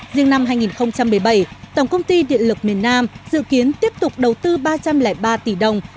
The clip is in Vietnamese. riêng năm hai nghìn một mươi bảy tổng công ty điện lực miền nam dự kiến tiếp tục đầu tư ba trăm linh ba tỷ đồng